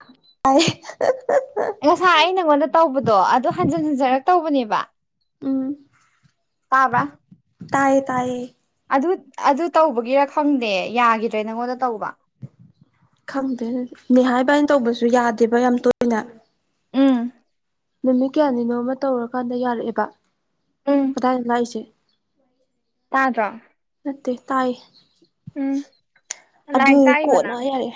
ꯈ ꯇꯥꯏ [unintelligible] ꯉꯁꯥꯏ ꯑꯩ ꯅꯪꯉꯣꯟꯗ ꯇꯧꯕꯗꯣ ꯑꯗꯨ ꯍꯟꯖꯤꯟ ꯍꯟꯖꯔ ꯇꯧꯕꯅꯦꯕ ꯎꯝ ꯇꯥꯕ ꯇꯥꯏꯌꯦ ꯇꯥꯏꯌꯦ ꯑꯗꯨ ꯑꯗꯨ ꯇꯧꯕꯒꯤꯔ ꯈꯪꯗꯦ ꯌꯥꯈꯤꯗ꯭ꯔꯦ ꯅꯪꯉꯣꯟꯗ ꯇꯧꯕ ꯈꯪꯗꯦ ꯅꯦ ꯅꯤꯍꯥ ꯏꯚꯥꯅꯤ ꯇꯧꯕꯁꯨ ꯌꯥꯗꯦꯕ ꯌꯥꯝ ꯇꯣꯏꯅ ꯎꯝ ꯅꯨꯃꯤꯠ ꯀꯌꯥꯅꯤꯅꯣ ꯑꯃ ꯇꯧꯔꯀꯥꯟꯗ ꯌꯥꯔꯛꯑꯦꯕ ꯎꯝ ꯀꯗꯥꯏꯗ ꯂꯥꯛꯏꯁꯦ ꯇꯥꯗꯔꯣ ꯅꯠꯇꯦ ꯇꯥꯏ ꯎꯝ ꯂꯥꯏꯔꯤꯛ ꯑꯗꯨꯗꯤ ꯇꯥꯛꯏꯕ ꯀꯣꯅ ꯅꯪ ꯌꯥꯏꯔꯦ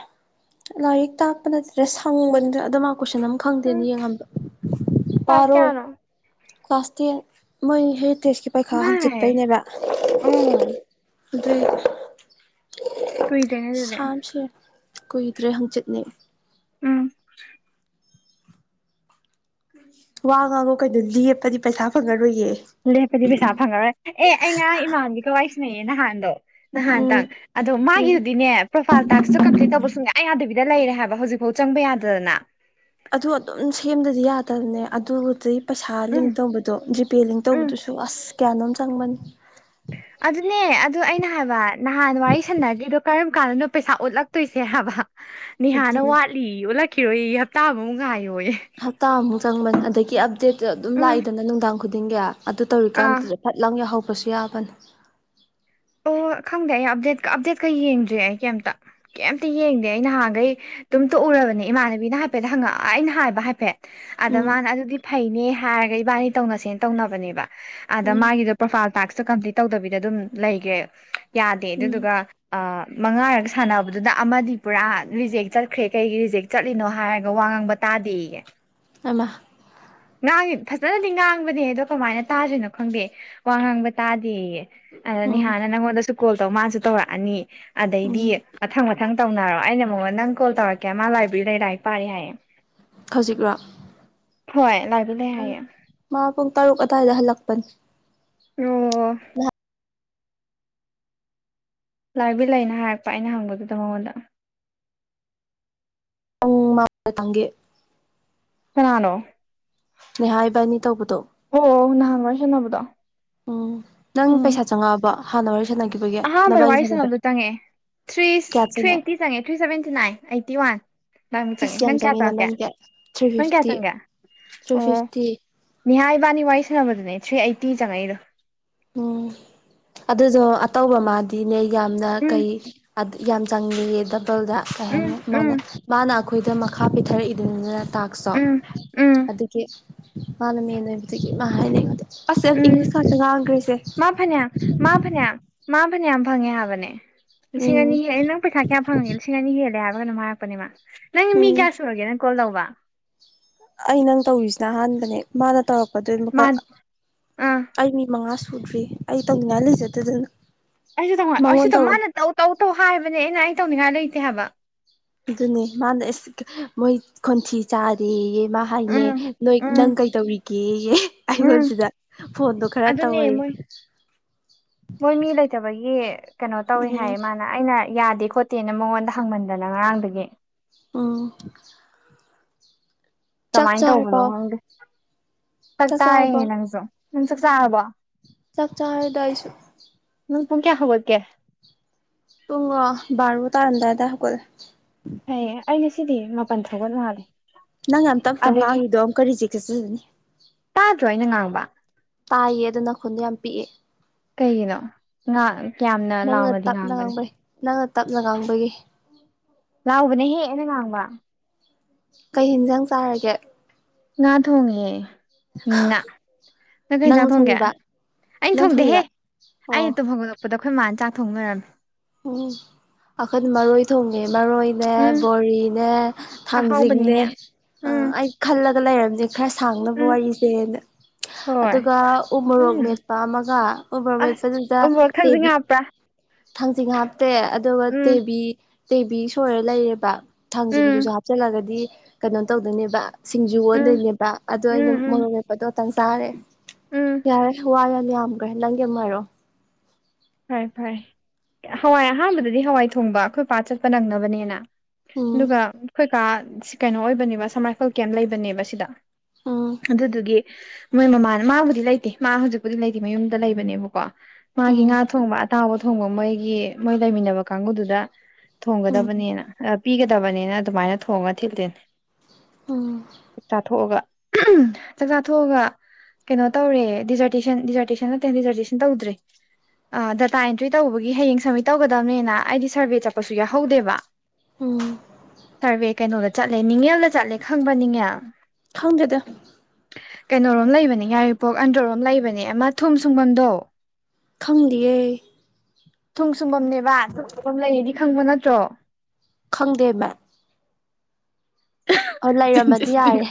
ꯂꯥꯏꯔꯤꯛ ꯇꯥꯛꯄ ꯅꯠꯇ꯭ꯔꯦ ꯁꯪꯕꯅꯤꯗ ꯑꯗꯨ ꯃꯥ ꯀꯣꯏꯁꯟ ꯑꯃ ꯎꯝ ꯈꯪꯗꯦꯅꯦ ꯌꯦꯡꯉꯟꯕ ꯀ꯭ꯂꯥꯁ ꯄꯥꯔꯣ ꯀꯌꯥꯅꯣ ꯀ꯭ꯂꯥꯁ ꯇꯦꯟ ꯃꯣꯏ ꯍꯦꯔꯤꯇꯦꯖꯀꯤ ꯄꯩꯈꯥ ꯅꯥꯏꯟ ꯍꯪꯆꯤꯠꯇꯒꯤꯅꯦꯕ ꯑꯣ ꯑꯗꯨꯏ ꯀꯨꯏꯗ꯭ꯔꯦꯅꯦ ꯑꯗꯨꯗꯤ ꯁꯥꯕꯅ ꯁꯤꯔꯦ ꯀꯨꯏꯗ꯭ꯔꯦ ꯍꯪꯆꯤꯠꯅꯦ ꯎꯝ ꯋꯥ ꯉꯥꯡꯉꯣ ꯀꯩꯅꯣ ꯂꯦꯞꯄꯗꯤ ꯄꯩꯁꯥ ꯐꯪꯉꯔꯣꯏꯌꯦ ꯂꯦꯞꯄꯗꯤ ꯄꯩꯁꯥ ꯐꯪꯉꯔꯣꯏ ꯑꯦ ꯑꯩ ꯉꯔꯥꯡ ꯏꯃꯥꯟꯕꯤꯒ ꯋꯥꯔꯤ ꯁꯤꯟꯅꯩꯌꯦ ꯅꯍꯥꯟꯗꯣ ꯎꯝ ꯅꯍꯥꯟꯇꯪ ꯑꯗꯣ ꯎꯝ ꯃꯥꯒꯤꯗꯨꯗꯤꯅꯦ ꯄ꯭ꯔꯣꯐꯥꯏꯜ ꯇꯥꯛꯁꯇ ꯀꯝꯄ꯭ꯂꯤ ꯇꯧꯕ ꯁꯨꯡꯌꯥ ꯌꯥꯗꯕꯤꯗ ꯂꯩꯔꯦ ꯍꯥꯏꯕ ꯍꯧꯖꯤꯛꯐꯥꯎ ꯆꯪꯕ ꯌꯥꯗꯗꯅ ꯑꯗꯨ ꯑꯗꯨꯝ ꯁꯦꯝꯗꯗꯤ ꯌꯥꯗꯕꯅꯦ ꯑꯗꯨꯕꯨꯗꯤ ꯄꯩꯁꯥ ꯎꯝ ꯂꯤꯡ ꯇꯧꯕꯗꯣ ꯖꯤꯄꯦ ꯂꯤꯡ ꯎꯝ ꯇꯧꯕꯗꯨꯁꯨ ꯑꯁ ꯀꯌꯥꯅꯣꯝ ꯆꯪꯕꯅꯤ ꯑꯗꯨꯅꯦ ꯑꯗꯨ ꯑꯩꯅ ꯍꯥꯏꯕ ꯅꯍꯥꯟ ꯋꯥꯔꯤ ꯁꯥꯟꯅꯗꯔꯤꯗꯣ ꯀꯔꯝ ꯀꯥꯟꯗꯅꯣ ꯄꯩꯁꯥ ꯑꯣꯠꯂꯛꯇꯣꯏꯁꯦ ꯍꯥꯏꯕ ꯅꯤꯍꯥꯅ ꯑꯗꯨꯅꯦ ꯋꯥꯠ ꯆꯂꯤ ꯑꯣꯜꯂꯛꯈꯤꯔꯣ ꯑꯩ ꯍꯞꯇꯥ ꯑꯃꯃꯨꯛ ꯉꯥꯏꯌꯣꯌꯦ ꯍꯞꯇꯥꯃꯨꯛ ꯆꯪꯕꯅꯤ ꯑꯗꯒꯤ ꯑꯞꯗꯦꯠꯇ ꯑꯗꯨꯝ ꯎꯝ ꯂꯥꯛꯏꯗꯅ ꯅꯨꯡꯗꯥꯡ ꯈꯨꯗꯤꯡꯒꯤ ꯑꯗꯨ ꯑꯥ ꯇꯧꯔꯤꯀꯥꯟꯗꯨꯗ ꯐꯠ ꯂꯥꯎ ꯌꯥꯍꯧꯕꯁꯨ ꯌꯥꯕꯅꯤ ꯑꯣ ꯈꯪꯗꯦ ꯑꯩ ꯑꯞꯗꯦꯠꯀ ꯑꯞꯗꯦꯠꯀꯩ ꯌꯦꯡꯗ꯭ꯔꯤ ꯑꯩ ꯀꯩꯝꯇ ꯀꯩꯝꯇ ꯌꯦꯡꯗꯦ ꯑꯩ ꯅꯍꯥꯟꯈꯩ ꯇꯨꯝ ꯇꯣꯛꯎꯔꯕꯅꯦ ꯏꯃꯥꯟꯅꯕꯤꯅ ꯍꯥꯏꯐꯦꯠꯇ ꯍꯪꯉꯛꯑ ꯑꯩꯅ ꯍꯥꯏꯕ ꯍꯥꯏꯐꯦꯠ ꯑꯗ ꯎꯝ ꯃꯥꯅ ꯑꯗꯨꯗꯤ ꯐꯩꯅꯦ ꯍꯥꯏꯔꯒ ꯏꯕꯥꯅꯤ ꯇꯧꯅꯁꯦꯅ ꯇꯧꯅꯕꯅꯦꯕ ꯑꯗ ꯎꯝ ꯃꯥꯒꯤꯗꯣ ꯄ꯭ꯔꯣꯐꯥꯏꯜ ꯇꯥꯛꯁꯇꯣ ꯀꯝꯄ꯭ꯂꯤꯠ ꯇꯧꯗꯕꯤꯗ ꯑꯗꯨꯝ ꯂꯩꯈ꯭ꯔꯦ ꯌꯥꯗꯦ ꯎꯝ ꯑꯗꯨꯗꯨꯒ ꯑ ꯃꯉꯥꯔꯒ ꯁꯥꯟꯅꯕꯗꯨꯗ ꯑꯃꯗꯤ ꯄꯨꯔꯥ ꯔꯤꯖꯦꯛ ꯆꯠꯈ꯭ꯔꯦ ꯀꯩꯒꯤ ꯔꯤꯖꯦꯛ ꯆꯠꯂꯤꯅꯣ ꯍꯥꯏꯔꯒ ꯋꯥ ꯉꯥꯡꯕ ꯇꯥꯗꯦꯌꯦ ꯑꯥꯏꯃ ꯉꯥꯡꯉꯤ ꯐꯖꯅꯗꯤ ꯉꯥꯡꯕꯅꯦ ꯑꯗꯣ ꯀꯃꯥꯏꯅ ꯇꯥꯗ꯭ꯔꯤꯅꯣ ꯈꯪꯗꯦ ꯋꯥ ꯉꯥꯡꯕ ꯇꯥꯗꯦꯌꯦ ꯑꯗ ꯎꯝ ꯅꯤꯍꯥꯅ ꯅꯪꯉꯣꯟꯗꯁꯨ ꯀꯣꯜ ꯇꯧ ꯃꯥꯁꯨ ꯇꯧꯔꯛꯑꯅꯤ ꯎꯝ ꯑꯗꯩꯗꯤ ꯃꯊꯪ ꯃꯊꯪ ꯇꯧꯅꯔꯣ ꯑꯩꯅ ꯃꯉꯣꯟꯗ ꯅꯪ ꯀꯣꯜ ꯇꯧꯔꯛꯀꯦ ꯃꯥ ꯂꯥꯏꯕ꯭ꯔꯦꯔꯤꯗ ꯂꯥꯏꯔꯤꯛ ꯄꯥꯔꯤ ꯍꯥꯏꯌꯦ ꯍꯧꯖꯤꯛꯔꯣ ꯍꯣꯏ ꯂꯥꯏꯕꯦꯔꯤ ꯂꯩ ꯎꯝ ꯍꯥꯏꯌꯦ ꯃꯥ ꯄꯨꯡ ꯇꯔꯨꯛ ꯑꯗ꯭ꯋꯥꯏꯗ ꯍꯜꯂꯛꯄꯅꯤ ꯑꯣ ꯂꯥꯏꯕꯦꯔꯤ ꯂꯩꯅ ꯍꯥꯏꯔꯛꯄ ꯑꯩꯅ ꯍꯪꯕꯗꯨꯗ ꯃꯉꯣꯟꯗ ꯄꯨꯡ [unintelligible] ꯀꯅꯥꯅꯣ ꯅꯤꯍꯥ ꯏꯕꯥꯏꯅꯤ ꯇꯧꯕꯗꯣ ꯑꯣ ꯅꯍꯟ ꯋꯥꯔꯤ ꯁꯥꯟꯅꯕꯗꯣ ꯎꯝ ꯅꯪ ꯄꯩꯁꯥ ꯆꯪꯉꯛꯑꯕꯣ ꯍꯥꯟꯅ ꯋꯥꯔꯤ ꯁꯥꯟꯅꯒꯤ ꯑꯍꯥꯟꯕꯗ ꯋꯥꯔꯤ ꯁꯥꯟꯅꯕꯗꯣ ꯆꯪꯉꯛꯑꯦ ꯊ꯭ꯔꯤ ꯊ꯭ꯔꯤ ꯑꯩꯠꯇꯤ ꯆꯪꯉꯦ three seventy nine eighty one [unintelligible] ꯑꯁ ꯆꯪꯉꯛꯀꯦ ꯌꯥꯝ ꯅꯪ ꯀ꯭ꯌꯥ ꯆꯪꯉꯤꯗ ꯆꯉꯛꯀꯦ ꯅꯪꯗꯤ ꯊ꯭ꯔꯤ ꯅꯪ ꯀꯌꯥ ꯐꯤꯐꯇꯤ ꯆꯪꯒꯦ ꯊ꯭ꯔꯤ ꯑꯣ ꯐꯤꯐꯇꯤ ꯅꯤꯍꯥ ꯏꯕꯥꯅꯤ ꯋꯥꯔꯤ ꯁꯥꯟꯅꯕꯗꯨꯅꯦ ꯊ꯭ꯔꯤ ꯑꯩꯠꯇꯤ ꯆꯪꯉꯛꯏꯗꯣ ꯎꯝ ꯑꯗꯨꯖꯣ ꯑꯇꯧꯕ ꯃꯥꯗꯤꯅꯦ ꯌꯥꯝꯅ ꯎꯝ ꯀꯩ [unintelligible] ꯌꯥꯝ ꯆꯪꯉꯦꯌꯦ ꯗꯕꯜꯗ ꯀꯩ ꯍꯥꯏꯅꯤ ꯎꯝ ꯎꯝ ꯃꯥꯅ ꯃꯥꯅ ꯈꯣꯏꯗ ꯃꯈꯥ ꯄꯤꯊꯔꯛꯏꯗꯅ ꯇꯥꯛꯁ ꯇꯣ ꯎꯝ ꯎꯝ ꯑꯗꯨꯒꯤ ꯃꯥꯅ ꯃꯦꯟ ꯑꯣꯏꯕꯗꯒꯤ ꯃꯥ ꯍꯥꯏꯅꯤ ꯑꯩꯉꯣꯟꯗ ꯑꯁ ꯎꯝ ꯏꯪꯂꯤꯁ ꯉꯥꯛꯇ ꯉꯪꯒ꯭ꯔꯦꯁꯦ [unintelligible] ꯃꯥ ꯐꯅ꯭ꯌꯥꯝ ꯃꯥ ꯐꯅ꯭ꯌꯥꯝ ꯐꯪꯉꯦ ꯍꯥꯏꯕꯅꯦ ꯂꯤꯁꯤꯡ ꯎꯝ ꯑꯅꯤ ꯑꯩ ꯅꯪ ꯄꯩꯁꯥ ꯀꯌꯥꯝ ꯐꯪꯉꯦ ꯂꯤꯁꯤꯡ ꯑꯅꯤ ꯍꯦꯜꯂꯦ ꯍꯥꯏꯕ ꯀꯩꯅꯣꯝ ꯍꯥꯏꯔꯛꯄꯅꯦꯕ ꯅꯪ ꯃꯤ ꯎꯝ ꯀ꯭ꯌꯥ ꯁꯨꯔꯒꯦ ꯅꯪ ꯀꯣꯜ ꯇꯧꯕ ꯑꯩ ꯅꯪ ꯇꯧꯔꯤꯖꯤꯅ ꯑꯍꯥꯟꯕꯅꯦ ꯃꯥꯅ ꯇꯧꯔꯛꯄꯗꯨꯢ ꯃꯥ ꯃꯈꯥ ꯑꯥ ꯑꯩ ꯃꯤ ꯃꯉꯥ ꯁꯨꯗ꯭ꯔꯤ ꯑꯩ ꯇꯧꯅꯤꯡꯉꯥꯏ ꯂꯩꯖꯗꯗꯅ ꯑꯩꯁꯨ [unintelligible] ꯃꯉꯣꯟ ꯑꯩꯁꯨ ꯇꯧꯔꯣ ꯃꯥꯅ ꯇꯧ ꯇꯧ ꯇꯧ ꯍꯥꯏꯕꯅꯦ ꯑꯩꯅ ꯑꯩ ꯇꯧꯅꯤꯉꯥꯏ ꯂꯩꯇꯦ ꯍꯥꯏꯕ ꯑꯗꯨꯅꯦ ꯃꯥꯅ ꯑꯁ ꯃꯣꯏ ꯈꯣꯟꯊꯤ ꯆꯥꯔꯗꯤꯌꯦ ꯃꯥ ꯍꯥꯏꯅꯦ ꯎꯝ ꯅꯣꯏ ꯎꯝ ꯅꯪ ꯀꯩꯇꯧꯔꯤꯒꯦꯌꯦ ꯎꯝ ꯑꯩꯉꯣꯟꯁꯤꯗ ꯐꯣꯟꯗꯣ ꯈꯔ ꯑꯗꯨꯅꯦ ꯇꯧꯋꯣꯌꯦ ꯃꯣꯏ ꯃꯣꯏ ꯃꯤ ꯂꯩꯇꯕꯒꯤ ꯀꯅꯣ ꯇꯧꯋꯦ ꯍꯥꯏꯌꯦ ꯃꯥꯅꯦ ꯑꯩꯅ ꯌꯥꯗꯦ ꯈꯣꯠꯇꯦꯅ ꯃꯉꯣꯟꯗ ꯍꯪꯃꯟꯗꯅ ꯉꯔꯥꯡꯗꯒꯤ ꯎꯝ ꯆꯥꯛ ꯀꯃꯥꯏꯟ ꯇꯧꯕꯅꯣ ꯆꯥꯔꯕꯣ ꯈꯪꯗꯦ ꯆꯥꯛ ꯆꯥꯔꯦꯅꯦ ꯅꯪꯖꯨ ꯅꯪ ꯆꯥꯛ ꯆꯥꯔꯕꯣ ꯆꯥꯛ ꯆꯥꯥꯔꯦꯗ ꯑꯩꯁꯨ ꯅꯪ ꯄꯨꯨꯡ ꯀ꯭ꯌꯥ ꯍꯧꯒꯠꯀꯦ ꯄꯨꯡ ꯔꯣ ꯕꯥꯔꯣ ꯇꯥꯔꯝꯗꯥꯏ ꯑꯗꯥꯏ ꯍꯧꯒꯠꯂꯤ ꯑꯩ ꯑꯩ ꯉꯁꯤꯗꯤ ꯃꯥꯄꯟ ꯍꯧꯒꯠ ꯃꯥꯜꯂꯦ ꯅꯪ ꯌꯥꯝ ꯇꯞ ꯇꯞ ꯑꯗꯒꯤ ꯉꯥꯡꯉꯤꯗꯣ ꯑꯃꯨꯛꯀ ꯔꯤꯖꯦꯛ ꯆꯠꯆꯖꯅꯤ ꯇꯥꯗ꯭ꯔꯣ ꯑꯩꯅ ꯉꯥꯡꯕ ꯇꯥꯏꯌꯦ ꯑꯗꯣ ꯅꯈꯣꯟꯗꯣ ꯌꯥꯝ ꯄꯤꯛꯑꯦ ꯀꯩꯒꯤꯅꯣ ꯉꯥꯡ ꯀ꯭ꯌꯥꯝꯅ ꯅꯪꯅ ꯂꯥꯎꯅꯗꯤ ꯇꯞꯅ ꯉꯥꯡꯕꯅꯤ ꯉꯥꯡꯕꯩ ꯅꯪꯅ ꯇꯞꯅ ꯉꯥꯡꯕꯒꯤ ꯂꯥꯎꯕꯅꯤꯍꯦ ꯑꯩꯅ ꯉꯥꯡꯕ ꯀꯩ ꯍꯤꯟꯖꯥꯡ ꯆꯥꯔꯒꯦ ꯉꯥ ꯊꯣꯡꯉꯦ꯫ ꯎ ꯉ ꯅꯪ ꯀꯩ ꯅꯪꯅ ꯍꯟꯖꯥꯛ ꯊꯣꯡꯒꯦ ꯊꯣꯡꯉꯤꯕ ꯑꯩꯅ ꯅꯪ ꯊꯣꯡꯗꯦꯍꯦ ꯊꯣꯡꯉꯤꯔꯥ ꯑꯣ ꯑꯩꯅ ꯇꯨꯝꯍꯧꯒꯠꯂꯥꯛꯄꯗ ꯄꯗ ꯑꯩꯈꯣꯏ ꯃꯥꯅ ꯆꯥꯛ ꯊꯣꯡ ꯂꯣꯏꯔꯝꯃꯦ꯫ ꯎꯝ ꯑꯈꯟ ꯃꯔꯣꯏ ꯊꯣꯡꯉꯦ ꯃꯔꯣꯏ ꯅꯦ ꯎꯝ ꯕꯣꯔꯤꯅꯦ ꯊꯥꯡꯖꯤꯡꯅꯦ ꯑꯍꯥꯎꯕꯅꯤꯅꯦ ꯑ ꯎꯝ ꯑꯩ ꯈꯜꯂꯒ ꯂꯩꯔꯝꯅꯦ꯫ ꯈꯔ ꯁꯥꯡꯅꯕ ꯎꯝ ꯋꯥꯔꯤꯁꯦꯅ꯫ ꯍꯣꯏ ꯑꯗꯨꯒ ꯎ ꯃꯣꯔꯣꯛ ꯎꯝ ꯃꯦꯠꯄ ꯑꯃꯒ ꯎ ꯃꯣꯔꯣꯛ ꯑꯁ ꯃꯦꯠꯄꯗꯨꯗ ꯎꯃꯣꯔꯣꯛ ꯊꯥꯡꯖꯤꯡ ꯇꯦꯕꯤ ꯍꯥꯞꯄ꯭ꯔꯥ ꯊꯥꯡꯖꯤꯡ ꯍꯥꯞꯇꯦ ꯑꯗꯨꯒ ꯎꯝ ꯇꯦꯕꯤ ꯇꯦꯕꯤ ꯁꯣꯏꯔ ꯂꯩꯌꯦꯕ꯫ ꯊꯥꯡꯁꯤꯡꯗꯨꯁꯨ ꯎꯝ ꯍꯥꯞꯆꯤꯜꯂꯒꯗꯤ ꯀꯩꯅꯣ ꯇꯧꯗꯣꯏꯅꯦꯕ꯫ ꯁꯤꯡꯖꯨ ꯎꯝ ꯑꯣꯟꯗꯣꯏꯅꯦꯕ ꯑꯗꯣ ꯑꯩꯅ ꯎꯝ ꯎꯝ ꯃꯣꯔꯣꯛ ꯂꯦꯄꯗꯣꯇꯪ ꯆꯥꯈꯔꯦ꯫ ꯎꯝ ꯌꯥꯔꯦ ꯋꯥ ꯌꯥꯝ ꯌꯥꯝꯈ꯭ꯔꯦ ꯅꯪꯒꯤꯃꯨꯛ ꯍꯥꯏꯔꯛꯑꯣ꯫ ꯐꯔ ꯐꯔ ꯍꯋꯥꯏ ꯑꯍꯥꯟꯕꯗꯗꯤ ꯍꯋꯥꯏ ꯊꯣꯡꯕ ꯑꯩꯈꯣꯏ ꯄꯥꯠ ꯆꯠꯄ ꯅꯪꯅꯕꯅꯦꯅ꯫ ꯎꯝ ꯑꯗꯨꯒ ꯈꯣꯏꯀꯥ ꯀꯩꯅꯣ ꯑꯣꯏꯕꯅꯦꯕ ꯁꯝ ꯔꯥꯏꯐꯜ ꯀꯦꯝ ꯂꯩꯕꯅꯦꯕ ꯁꯤꯗ꯫ ꯎꯝ ꯑꯗꯨꯗꯨꯒꯤ ꯃꯣꯏ ꯃꯃꯥꯅ ꯃꯥꯕꯨꯗꯤ ꯂꯩꯇꯦ ꯃꯥ ꯍꯧꯖꯤꯛꯄꯨꯗꯤ ꯂꯩꯇꯦ ꯃꯌꯨꯝꯗ ꯂꯩꯕꯅꯦꯕꯀꯣ ꯃꯥꯒꯤ ꯎꯝ ꯉꯥ ꯊꯣꯡꯕ ꯑꯇꯥꯎꯕ ꯊꯣꯡꯕ ꯃꯣꯏꯒꯤ ꯃꯣꯏ ꯂꯩꯃꯤꯟꯅꯕ ꯀꯥꯡꯒꯨꯗꯨꯗ ꯎꯝ ꯊꯣꯡꯒꯗꯕꯅꯦꯅ ꯑ ꯄꯤꯒꯗꯕꯅꯤꯅ ꯑꯗꯨꯃꯥꯏꯅ ꯊꯣꯡꯉ ꯊꯤꯜꯂꯤꯅꯤ ꯎꯝ ꯆꯥꯊꯣꯛꯑꯒ꯫ ꯆꯥꯛ ꯆꯥꯊꯣꯛꯑꯒ꯫ ꯀꯩꯅꯣ ꯇꯧꯔꯦ ꯗꯤꯖꯔꯇꯦꯁꯟ ꯗꯤꯖꯥꯔꯇꯦꯁꯟ ꯅꯠꯇꯅ ꯗꯤꯖꯔꯇꯦꯁꯟ ꯇꯧꯗ꯭ꯔꯦ꯫ ꯑ ꯗꯇꯥ ꯑꯦꯟꯇ꯭ꯔꯤ ꯇꯧꯕꯒꯤ ꯍꯌꯦꯡ ꯁꯝꯃꯤꯠ ꯇꯧꯒꯗꯕꯅꯤꯅ ꯑꯩꯗꯤ ꯁꯔꯚꯦ ꯆꯠꯄꯁꯨ ꯌꯥꯎꯍꯧꯗꯦꯕ꯫ ꯎꯝ ꯁꯥꯔꯚꯦ ꯀꯩꯅꯣꯗ ꯆꯠꯂꯦ ꯅꯤꯡꯉꯦꯜꯗ ꯆꯠꯂꯦ ꯈꯪꯕ ꯅꯤꯡꯉꯦꯜ ꯈꯪꯗꯦꯗ꯫ ꯀꯩꯅꯣꯔꯣꯝ ꯂꯩꯕꯅꯦ ꯉꯔꯤꯄꯣꯛ ꯑꯟꯗ꯭ꯔꯔꯣꯝ ꯂꯩꯕꯅꯦ ꯑꯃ ꯊꯨꯝ ꯁꯨꯡꯕꯝꯗꯣ꯫ ꯈꯪꯗꯤꯌꯦ꯫ ꯊꯨꯝ ꯁꯨꯝꯐꯝꯅꯦꯕ ꯁꯨꯡ ꯁꯨꯝꯐꯝ ꯂꯩꯌꯦꯗꯤ ꯈꯪꯕ ꯅꯠꯇ꯭ꯔꯣ꯫ ꯈꯪꯗꯦꯕ ꯑꯣ ꯂꯩꯔꯝꯃꯗꯤ ꯌꯥꯏꯔꯦ꯫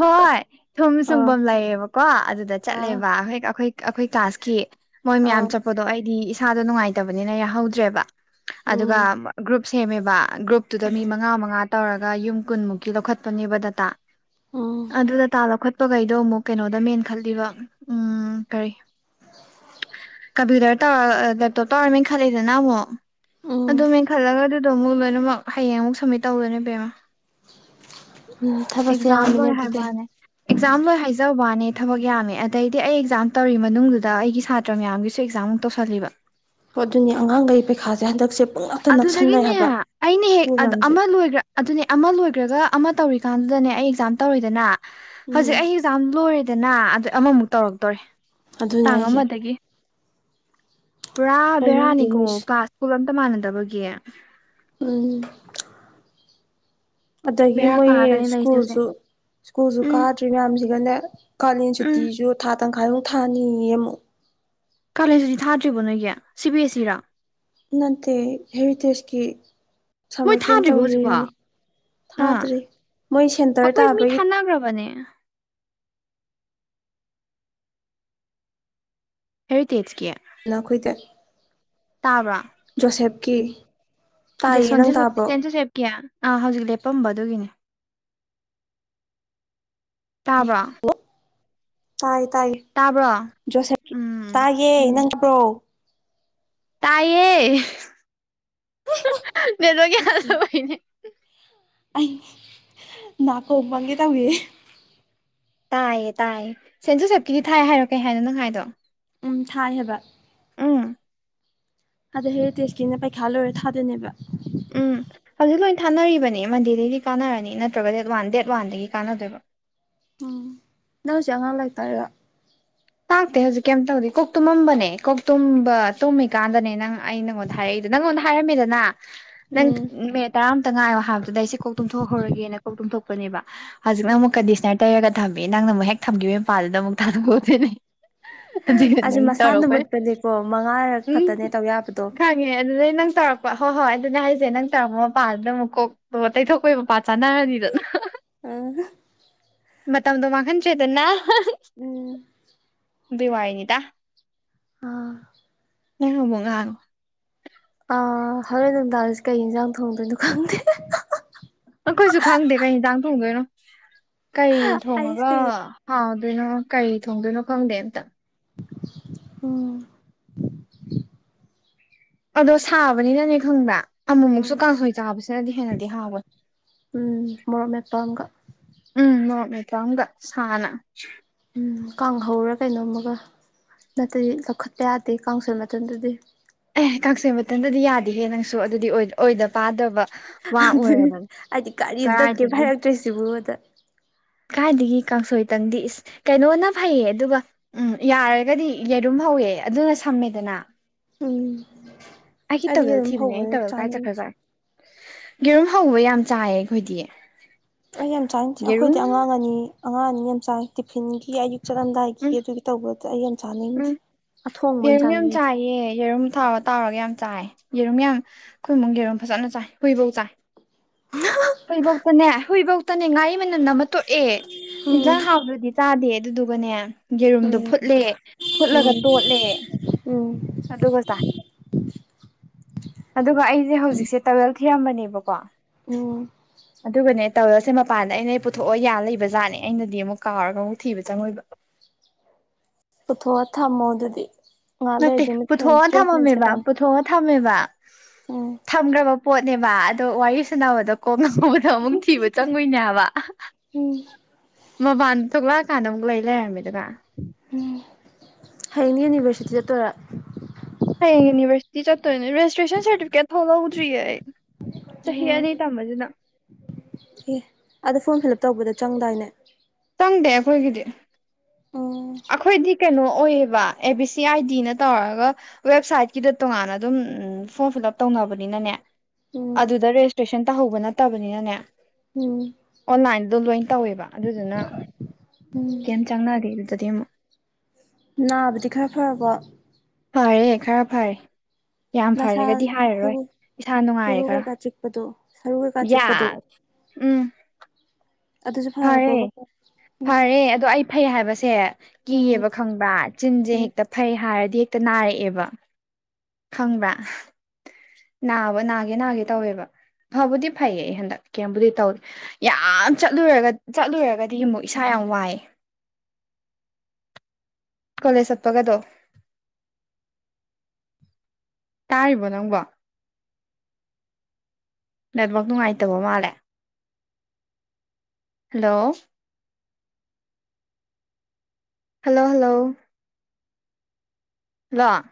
ꯍꯣꯏ ꯊꯨꯝ ꯁꯨꯡꯐꯝ ꯂꯩꯌꯦꯕꯀꯣ ꯑꯗꯨꯗ ꯑꯥ ꯆꯠꯂꯦꯕ ꯑꯩꯈꯣꯏ ꯑꯩꯈꯣꯏ ꯀ꯭ꯂꯥꯁꯀꯤ ꯃꯣꯏ ꯃꯌꯥꯝ ꯑꯥ ꯆꯠꯄꯗꯣ ꯑꯩꯗꯤ ꯏꯁꯥꯗꯣ ꯅꯨꯡꯉꯥꯏꯇꯕꯅꯤꯅ ꯌꯥꯍꯧꯗ꯭ꯔꯦꯕ꯫ ꯑꯗꯨꯒ ꯎꯝ ꯒ꯭ꯔꯨꯞ ꯁꯦꯝꯃꯦꯕ ꯒ꯭ꯔꯨꯞꯇꯨꯗ ꯃꯤ ꯃꯉꯥ ꯃꯉꯥ ꯇꯧꯔꯒ ꯌꯨꯝ ꯀꯨꯟꯃꯨꯛꯀꯤ ꯂꯧꯈꯠꯄꯅꯦꯕ ꯗꯇꯥ ꯎꯝ ꯑꯗꯨ ꯗꯇꯥ ꯂꯧꯈꯠ ꯆꯠꯄꯈꯩꯗꯣ ꯑꯃꯨꯛ ꯀꯩꯅꯣꯗ ꯃꯦꯟꯈꯠꯂꯤꯕ ꯎꯝ ꯀꯔꯤ ꯀꯨꯝꯄꯤꯎꯇꯔ ꯇꯧ ꯇꯦꯞꯇꯣ ꯇꯧꯔ ꯃꯦꯟꯈꯠꯂꯛꯗꯅ ꯑꯃꯨꯛ ꯎꯝ ꯑꯗꯨ ꯃꯦꯟꯈꯠꯂꯒ ꯑꯗꯣ ꯑꯃꯨꯛ ꯂꯣꯏꯅꯃꯛ ꯍꯌꯦꯡ ꯑꯃꯨꯛ ꯁꯝꯃꯤꯠ ꯇꯧꯗꯣꯏꯅꯦ ꯄꯦꯝꯃꯥ ꯎꯝ ꯊꯕꯛꯁꯦ ꯑꯦꯛꯖꯥꯝ ꯌꯥꯝꯃꯤꯅꯦ ꯂꯣꯏ ꯑꯗꯨꯗꯤ ꯍꯥꯏꯕꯅꯦ ꯑꯦꯛꯖꯥꯝ ꯂꯣꯏ ꯍꯥꯏꯖ ꯋꯥꯅꯦ ꯊꯕꯛ ꯌꯥꯝꯃꯦ ꯑꯗꯩꯗꯤ ꯑꯩ ꯑꯦꯛꯖꯥꯝ ꯇꯧꯔꯤ ꯃꯅꯨꯡꯗꯨꯗ ꯑꯩꯒꯤ ꯁꯥꯇ꯭ꯔ ꯅꯠꯇ꯭ꯔ ꯃꯌꯥꯝꯒꯤꯁꯨ ꯑꯦꯛꯖꯥꯝꯨꯛ ꯇꯧꯁꯜꯂꯤꯕ ꯍꯣ ꯑꯗꯨꯅꯦ ꯑꯉꯥꯡꯒꯩ ꯄꯩꯈꯥꯁꯦ ꯍꯟꯗꯛꯁꯦ ꯄꯨꯡꯅꯛꯇ ꯅꯛꯁꯟꯅꯩ ꯑꯗꯨꯗꯒꯤꯅꯦ ꯍꯥꯏꯕ ꯑꯩꯅ ꯍꯦꯛ ꯁ꯭ꯀꯨꯜ ꯃꯌꯥꯝꯁꯦ ꯑꯃ ꯂꯣꯏꯈ꯭ꯔꯥ ꯑꯗꯨꯅꯦ ꯑꯃ ꯂꯣꯏꯈ꯭ꯔꯒ ꯑꯃ ꯇꯧꯔꯤꯀꯥꯟꯗꯨꯗꯅꯦ ꯑꯩ ꯑꯦꯛꯖꯥꯝ ꯇꯧꯔꯦꯗꯅ ꯎꯝ ꯍꯧꯖꯤꯛ ꯑꯩ ꯑꯦꯛꯖꯥꯝ ꯂꯣꯏꯔꯦꯗꯅ ꯑꯗ ꯑꯃꯃꯨꯛ ꯇꯧꯔꯛꯇꯣꯔꯦ ꯑꯗꯨꯅꯦ ꯇꯥꯡ ꯑꯩꯁꯦ ꯑꯃꯗꯒꯤ꯫ ꯄꯨꯔꯥ ꯀꯩꯅꯣꯝꯗꯤ ꯕꯦꯔꯥꯅꯤꯀꯣ ꯃꯣꯏꯁꯦ ꯀꯥꯁ ꯁ꯭ꯀꯨꯜ ꯑꯝꯇ ꯃꯥꯟꯅꯗꯕꯒꯤ꯫ ꯎꯝ ꯑꯗꯒꯤ ꯕꯦꯔꯥ ꯃꯣꯏꯒꯤ ꯀꯥꯔꯒꯅꯤ ꯂꯩꯔꯤꯁꯦ ꯍꯧꯖꯤꯛ ꯁ꯭ꯀꯨꯜꯁꯨ ꯁ꯭ꯀꯨꯜꯁꯨ ꯎꯝ ꯀꯥꯗ꯭ꯔꯤ ꯃꯌꯥꯝꯁꯤꯒꯅꯦ ꯀꯥꯂꯦꯟ ꯎꯝ ꯁꯨꯇꯤꯁꯨ ꯊꯥ ꯇꯪꯈꯥꯏꯃꯨꯛ ꯊꯥꯅꯤꯌꯦ ꯑꯃꯨꯛ ꯀꯥꯂꯦꯟꯁꯨꯗꯤ ꯊꯥꯗ꯭ꯔꯤꯕ ꯅꯣꯏꯒꯤ ꯁꯤ ꯕꯤ ꯑꯦꯁꯤ ꯔꯥ ꯅꯠꯇꯦ ꯍꯦꯔꯤꯇꯦꯖꯀꯤ ꯃꯣꯏ ꯁꯃꯔ ꯀꯩꯝ ꯊꯥꯗ꯭ꯔꯤꯕꯣ ꯇꯧꯅꯤꯡꯉꯤ ꯍꯧꯖꯤꯛꯐꯥꯎ ꯊꯥꯗ꯭ꯔꯔꯤ ꯃꯣꯏ ꯁꯦꯟꯇꯔ ꯇꯥꯕꯒꯤ ꯊꯒ꯭ꯔꯥꯕꯅꯦ ꯍꯦꯔꯤꯇꯦꯖꯀꯤꯌꯥ ꯂꯥꯈꯣꯏꯗ ꯖꯣꯁꯦꯞꯀꯤ ꯇꯥꯏꯌꯦ ꯅꯪ ꯇꯥꯕ꯭ꯔꯣ ꯀꯌꯥ ꯑꯥ ꯍꯧꯖꯤꯛ ꯂꯦꯞꯄꯝꯕ ꯑꯗꯨꯒꯤꯅꯦ ꯇꯥꯕ ꯇꯥꯏ ꯇꯥꯏ ꯇꯥꯕ꯭ꯔꯣ ꯖꯣꯁꯦꯐ ꯎꯝ ꯇꯥꯏꯥꯒꯦ ꯎꯝ ꯅꯪꯄ꯭ꯔꯣ ꯇꯥꯏꯌꯦ ꯅꯦꯠ ꯂꯣꯏꯒꯤ ꯑꯩ ꯌꯥꯗꯕꯩꯅꯦ ꯑꯩ ꯅꯥꯀꯣꯡꯕꯪꯒꯤ ꯇꯧꯏ ꯇꯥꯏꯌꯦ ꯇꯥꯏꯌꯦ ꯁꯦꯟ ꯖꯨꯁꯦꯞꯀꯤꯗꯤ ꯊꯥꯏ ꯍꯥꯏꯔꯣꯀꯩ ꯍꯥꯏꯅꯣ ꯅꯪ ꯍꯥꯏꯗꯣ ꯎꯝ ꯊꯥꯏ ꯍꯥꯏꯕ ꯎꯝ ꯑꯗ ꯍꯦꯔꯤꯇꯦꯖꯀꯤꯅ ꯄꯩꯈꯥ ꯂꯣꯏꯔ ꯊꯥꯒꯕ ꯊꯅꯥ ꯎꯝ ꯍꯧꯖꯤꯛ ꯂꯣꯏ ꯊꯥꯅꯔꯤꯕꯅꯤ ꯃꯟꯗꯦꯗꯩꯗꯤ ꯀꯥꯟꯅꯔꯅꯤ ꯅꯠꯇ꯭ꯔꯒ ꯗꯦꯠ ꯋꯥꯟ ꯗꯦꯠ ꯋꯥꯟꯗꯒꯤ ꯀꯥꯟꯅꯗꯣꯏꯕ ꯎꯝ ꯅꯪ ꯍꯨꯖꯤꯛ ꯑꯉꯥꯡ ꯂꯥꯏꯔꯤꯛ ꯇꯛꯏꯔꯥ ꯇꯥꯛꯇꯦ ꯍꯧꯖꯤꯛ ꯀꯩꯝ ꯇꯧꯗꯦ ꯀꯣꯛ ꯇꯨꯝꯃꯝꯕꯅꯦ ꯀꯣꯛ ꯇꯨꯝꯕ ꯇꯨꯝꯃꯤꯀꯥꯟꯗꯅꯦ ꯅꯪ ꯑꯩ ꯅꯪꯉꯣꯟꯗ ꯍꯥꯏꯔꯛꯏꯗꯣ ꯅꯪꯉꯣꯟꯗ ꯍꯥꯏꯔꯝꯃꯤꯗꯅ ꯅꯪ ꯎꯝ ꯃꯤꯠ ꯇꯔꯥ ꯑꯃꯨꯇ ꯉꯥꯏꯌꯣ ꯍꯥꯏꯕꯗꯨꯗ ꯑꯩꯁꯦ ꯀꯣꯛ ꯇꯨꯝꯊꯣꯛꯍꯧꯔꯒꯦꯅ ꯀꯣꯛ ꯇꯨꯝꯊꯣꯛꯄꯅꯦꯕ ꯍꯧꯖꯤꯛ ꯅꯪ ꯎꯝ ꯑꯃꯨꯛ ꯀꯟꯗꯤꯁꯅꯔ ꯇꯩꯔ ꯊꯝꯕꯤꯌꯦ ꯅꯪꯅ ꯑꯃꯨꯛ ꯍꯦꯛ ꯊꯝꯈꯤꯕꯒꯤ ꯃꯄꯥꯥꯟꯗꯨꯗ ꯑꯃꯨꯛ ꯊꯥꯗꯣꯛꯑꯗꯣꯏꯅꯦ ꯍꯧꯖꯤꯛꯅꯥ ꯑꯁꯤ ꯅꯪ ꯃꯁꯥꯅ ꯇꯔꯄꯩ ꯃꯨꯠꯄꯅꯦꯀꯣ ꯃꯉꯥꯔꯛ ꯎꯝ ꯈꯛꯇꯅꯦ ꯇꯧ ꯌꯥꯕꯗꯣ ꯈꯏ ꯑꯦ ꯑꯗꯨꯗꯩ ꯅꯪ ꯇꯧꯔꯛꯄ ꯍꯣꯏ ꯍꯣꯏ ꯑꯗꯨꯗꯤ ꯍꯥꯏꯖꯦ ꯅꯪ ꯇꯧꯔꯛꯄ ꯃꯄꯥꯗꯨꯗ ꯑꯃꯨꯛ ꯀꯣꯛ ꯑꯣ ꯇꯩꯊꯣꯛꯄꯩ ꯃꯄꯥ ꯆꯥꯅꯔꯅꯤꯗꯅ ꯑꯥ ꯃꯇꯝꯗꯣ ꯃꯍꯟ ꯗ꯭ꯔꯦꯗꯅ ꯎꯝ ꯗꯨꯢ ꯋꯥꯥꯏꯅꯤꯗ ꯑꯥ ꯅꯩꯍꯧꯕ ꯉꯥꯡ ꯑꯥ ꯍꯣꯔꯦꯟ ꯅꯨꯡꯗꯥꯡꯜꯁꯦ ꯀꯩ ꯏꯟꯖꯥꯡ ꯊꯣꯡꯗꯣꯏꯅꯣ ꯈꯪꯗꯦ ꯑꯩꯈꯣꯏꯁꯨ ꯈꯪꯗꯦ ꯀꯩ ꯍꯤꯗꯥꯡ ꯊꯣꯡꯗꯣꯏꯅꯣ ꯀꯩ ꯊꯣꯡꯉꯒ ꯑꯩꯁꯦ ꯍꯥꯎꯗꯣꯏꯅꯣ ꯀꯩ ꯊꯣꯡꯗꯣꯏꯅꯣ ꯈꯪꯗꯦ ꯑꯝꯇ ꯎꯝ ꯑꯗꯣ ꯁꯥꯕꯅꯤꯅꯅꯦ ꯈꯪꯕ ꯎꯝ ꯑꯃꯨꯛꯃꯨꯛꯁꯨ ꯀꯥꯡꯁꯣꯏ ꯆꯥꯕꯁꯤꯅꯗꯤ ꯍꯦꯟꯅꯗꯤ ꯍꯥꯎꯕꯣꯏ ꯎꯝ ꯃꯣꯔꯣꯛ ꯃꯦꯠꯄ ꯑꯃꯒ ꯎꯝ ꯃꯣꯔꯣꯛ ꯃꯦꯠꯄꯥ ꯑꯝꯒ ꯁꯅ ꯎꯝ ꯀꯥꯡ ꯍꯧꯔ ꯀꯩꯅꯣꯝꯃꯒ ꯅꯠꯇꯗꯤ ꯂꯧꯈꯠꯄ ꯌꯥꯗꯦ ꯀꯥꯡ ꯁꯣꯏ ꯃꯇꯝꯗꯗꯤ ꯑꯦ ꯀꯥꯡꯁꫭꯏ ꯃꯊꯟꯗꯗꯤ ꯌꯥꯗꯤꯍꯦ ꯅꯪꯁꯨ ꯑꯗꯨꯗꯤ ꯑꯣꯏꯗ ꯑꯣꯏꯗ ꯄꯥꯗꯕ ꯋꯥ ꯑꯗꯨꯅꯤ ꯑꯣꯏꯔꯕꯅꯤ ꯑꯩꯗꯤ ꯀꯔꯤ ꯑꯝꯃꯥ ꯀꯩꯏꯝ ꯀꯗꯥꯏꯗꯒꯤ ꯍꯥꯏꯔꯛꯇ꯭ꯔꯦ ꯁꯤꯕꯣꯗ ꯀꯥꯏꯗꯒꯤ ꯀꯥꯡꯁꯣꯏꯇꯪꯗꯤ ꯏꯁ ꯀꯩꯅꯣꯅ ꯐꯩꯌꯦ ꯑꯗꯨꯒ ꯎꯝ ꯌꯥꯔꯒꯗꯤ ꯌꯦꯔꯨꯝ ꯍꯧꯑꯦ ꯑꯗꯨꯅ ꯁꯝꯃꯦꯗꯅ ꯎꯝ ꯑꯩꯒꯤ ꯑꯩꯗꯤ ꯇꯋꯦꯜ ꯌꯦꯔꯨꯝ ꯊꯤꯕꯅꯦ ꯑꯩ ꯍꯧꯕꯗꯤ ꯇꯋꯦꯜ ꯀꯥꯏ ꯆꯠꯈ꯭ꯔ ꯆꯥꯅꯤꯡꯗꯦ ꯖꯥꯠ ꯌꯦꯔꯨꯝ ꯍꯧꯕ ꯌꯥꯝ ꯆꯥꯏꯌꯦ ꯑꯩꯈꯣꯏꯗꯤ ꯑꯩ ꯌꯥꯝ ꯆꯥꯏꯅꯤꯡꯇꯦ ꯑꯩꯈꯣꯏꯗꯤ ꯌꯦꯔꯨꯝ ꯑꯉꯥꯡ ꯑꯅꯤ ꯑꯉꯥꯡ ꯑꯅꯤ ꯌꯥꯝ ꯆꯥꯏ ꯇꯤꯐꯤꯟꯒꯤ ꯑꯌꯨꯛ ꯎꯝ ꯆꯠꯂꯝꯗꯥꯏꯈꯤ ꯑꯗꯨꯒꯤ ꯇꯧꯕꯗ ꯑꯩ ꯌꯥꯝ ꯆꯥꯅꯤꯡꯗꯦ ꯎꯝ ꯑꯊꯣꯡꯕ ꯑꯣꯏꯅ ꯌꯦꯔꯨꯝ ꯌꯥꯝ ꯆꯥꯅꯤꯡꯉꯦ ꯆꯥꯏꯌꯦ ꯌꯦꯔꯨꯝ ꯊꯥꯎ ꯇꯥꯎꯔꯒ ꯌꯥꯝ ꯆꯥꯏ ꯌꯦꯔꯨꯝ ꯌꯥꯝ ꯑꯩꯈꯣꯏ ꯢꯃꯨꯛ ꯌꯦꯔꯨꯝ ꯐꯖꯅ ꯆꯥꯏ ꯍꯨꯏꯐꯧ ꯆꯥꯏ ꯍꯨꯏꯕꯧꯇꯅꯦ ꯍꯨꯏꯐꯧꯇꯅꯦ ꯉꯥꯔꯤ ꯃꯅꯟ ꯑꯃ ꯇꯣꯛꯑꯦ ꯌꯦꯟꯖꯥꯡ ꯍꯥꯎꯇꯔꯗꯤ ꯆꯥꯗꯦ ꯑꯗꯨꯗꯨꯒꯅꯦ ꯌꯦꯔꯨꯝꯗꯣ ꯑꯩꯗꯤ ꯐꯨꯠꯂꯦ ꯎꯝ ꯐꯨꯠꯂꯒ ꯎꯝ ꯇꯣꯠꯂꯦ ꯎꯝ ꯑꯗꯨꯒ ꯆꯥꯏ ꯑꯗꯨꯒ ꯑꯩꯁꯦ ꯍꯧꯖꯤꯛꯁꯦ ꯇꯨꯋꯦꯜꯞ ꯊꯤꯔꯝꯕꯅꯦꯕꯀꯣ ꯎꯝ ꯑꯗꯨꯒꯅꯦ ꯇꯧꯔꯁꯦ ꯃꯄꯥꯟꯗ ꯑꯩꯅ ꯄꯨꯊꯣꯛꯑ ꯌꯥ ꯂꯩꯕ ꯖꯥꯠꯅꯦ ꯑꯩꯅꯗꯤ ꯑꯃꯨꯛ ꯀꯥꯎꯔꯒ ꯑꯃꯨꯛ ꯊꯤꯕ ꯆꯪꯉꯣꯏꯕ ꯄꯨꯊꯣꯛꯑ ꯊꯝꯃꯣ ꯑꯗꯨꯗꯤ ꯉꯥꯏꯍꯥꯛ ꯅꯠꯇꯦ ꯂꯩꯔꯗꯤ ꯃꯨꯠꯈ꯭ꯔꯅꯤ ꯄꯨꯊꯣꯛꯑ ꯇꯨꯋꯦꯜꯐ ꯃꯤꯅꯠꯁ ꯊꯃꯝꯃꯦꯕ ꯈꯛꯇꯅꯤ ꯄꯨꯊꯣ ꯊꯝꯃꯦꯕ ꯎꯝ ꯊꯝꯈ꯭ꯔꯕ ꯄꯣꯠꯅꯦꯕ ꯑꯗꯣ ꯋꯥꯔꯤ ꯁꯥꯟꯅꯕꯗꯣ ꯀꯣꯛꯉꯥꯎꯑꯦ ꯑꯗꯣ ꯑꯃꯨꯛ ꯊꯤꯕ ꯆꯪꯉꯣꯏꯅꯦ ꯍꯥꯏꯕ ꯎꯝ ꯃꯄꯥꯟꯗ ꯊꯣꯛꯂꯛꯑꯀꯥꯟꯗ ꯑꯃꯨꯛ ꯂꯩ ꯂꯩꯔꯝꯃꯤꯗꯨꯒ ꯎꯝ ꯍꯌꯦꯡꯅꯤ ꯌꯨꯅꯤꯚꯔꯁꯤꯇꯤ ꯆꯠꯇꯣꯏꯔ ꯍꯌꯦꯡ ꯌꯨꯅꯤꯚꯔꯁꯤꯇꯤ ꯆꯠꯇꯣꯏꯅꯦ ꯔꯦꯖꯤꯁꯇ꯭ꯔꯦꯁꯟ ꯁꯥꯔꯇꯤꯐꯤꯀꯦꯠ ꯐꯥꯎ ꯂꯧꯗ꯭ꯔꯤꯌꯦ ꯑꯩ ꯆꯍꯤ ꯑꯣ ꯑꯅꯤ ꯇꯝꯕꯁꯤꯅ ꯑꯦ ꯑꯗꯣ ꯐꯣꯔꯝ ꯐꯤꯜꯞ ꯇꯧꯕꯗ ꯆꯪꯗꯥꯏꯅꯦ ꯆꯪꯗꯦ ꯑꯩꯈꯣꯏꯒꯤꯗꯤ ꯎꯝ ꯑꯩꯈꯣꯏꯗꯤ ꯀꯩꯅꯣ ꯑꯣꯏꯌꯦꯕ ꯑꯦ ꯕꯤ ꯁꯤ ꯑꯥꯏ ꯗꯤꯅ ꯇꯧꯔꯒ ꯋꯦꯕꯁꯥꯏꯠꯀꯤꯗ ꯇꯣꯉꯥꯟꯅ ꯑꯗꯨꯝ ꯎꯝ ꯐꯣꯔꯝ ꯐꯤꯜ ꯑꯞ ꯇꯧꯅꯕꯅꯤꯅꯅꯦ ꯎꯝ ꯑꯗꯨꯗ ꯔꯦꯖꯤꯁꯇ꯭ꯔꯦꯁꯟ ꯇꯥꯍꯧꯕ ꯅꯠꯇꯕꯅꯤꯅꯅꯦ ꯎꯝ ꯑꯣꯟꯂꯥꯏꯟꯗꯣ ꯂꯣꯏ ꯇꯧꯋꯦꯕ ꯑꯗꯨꯗꯨꯅ ꯀꯩꯝ ꯆꯪꯅꯗꯦ ꯑꯗꯨꯗꯗꯤ ꯑꯃꯨꯛ ꯅꯥꯕꯗꯤ ꯈꯔ ꯐꯔꯕꯣ ꯐꯔꯦ ꯈꯔ ꯐꯔꯦ ꯌꯥꯝ ꯅꯁꯥ ꯐꯔꯦꯒꯗꯤ ꯍꯥꯏꯔꯔꯣꯏ ꯈꯨꯔꯨ ꯏꯁꯥ ꯈꯨꯔꯨ ꯅꯨꯡꯉꯥꯏꯔꯦ ꯈꯔ ꯀꯩꯀꯥ ꯆꯤꯛꯄꯗꯣ ꯁꯔꯨ ꯀꯩꯀꯥ ꯆꯤꯛꯄꯗꯣ ꯌꯥꯁ ꯎꯝ ꯑꯗꯨꯁꯨ ꯐꯥꯔꯄꯕ ꯐꯔꯦ ꯐꯔꯦ ꯑꯗꯣ ꯑꯩ ꯐꯩ ꯍꯥꯏꯕꯁꯦ ꯎꯝ ꯀꯤꯌꯦꯕ ꯈꯪꯕ꯭ꯔꯥ ꯆꯤꯟꯁꯦ ꯎꯝ ꯍꯦꯛꯇ ꯐꯩ ꯍꯥꯏꯔꯗꯤ ꯍꯦꯛꯇ ꯅꯥꯔꯛꯑꯦꯕ ꯈꯪꯕ꯭ꯔꯥ ꯅꯥꯕ ꯅꯥꯒꯦ ꯅꯥꯒꯦ ꯇꯧꯋꯦꯕ ꯐꯕꯨꯗꯤ ꯐꯩꯌꯦ ꯑꯩ ꯍꯟꯗꯛ ꯀꯦꯝꯕꯨꯗꯤ ꯇꯧꯗꯦ ꯌꯥꯝ ꯆꯠꯂꯨꯔ ꯆꯠꯂꯨꯔꯒꯗꯤ ꯑꯃꯨꯛ ꯏꯁꯥ ꯌꯥꯝ ꯋꯥꯏꯑꯦ ꯀꯣꯂꯦꯖ ꯆꯠꯄꯒꯗꯣ ꯇꯥꯔꯤꯕꯣ ꯅꯪꯕꯣ ꯅꯦꯠꯋꯥꯛ ꯅꯨꯡꯉꯥꯏꯇꯕ ꯃꯥꯜꯂꯦ ꯍꯜꯂꯣ ꯍꯜꯂꯣ ꯍꯜꯂꯣ ꯍꯜꯂꯣ